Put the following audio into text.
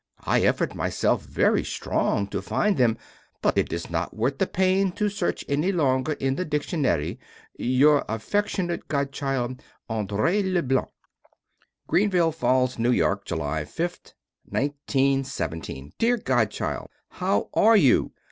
I effort myself very strong to find them, but it is not worth the pain to search any longer in the dictionary. Your affeckshunate godchild, Andrée Leblanc. Greenville Falls, N.Y. July 5, 1917. Deer godchild, How are you?